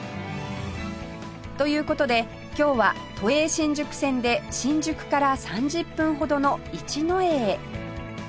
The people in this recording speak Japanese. という事で今日は都営新宿線で新宿から３０分ほどの一之江へ